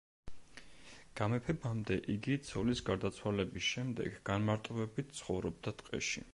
გამეფებამდე იგი ცოლის გარდაცვალების შემდეგ განმარტოვებით ცხოვრობდა ტყეში.